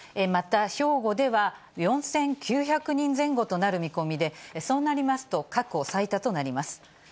また、兵庫では４９００人前後となる見込みで、そうなりますと、過去最多となります。